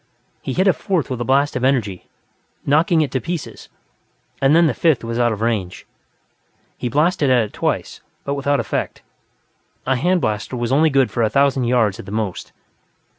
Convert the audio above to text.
He hit a fourth with a blast of energy, knocking it to pieces, and then the fifth was out of range. He blasted at it twice, but without effect; a hand blaster was only good for a thousand yards at the most.